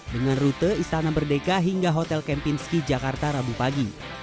dengan rute istana merdeka hingga hotel kempinski jakarta rabu pagi